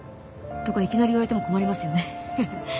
とかいきなり言われても困りますよね。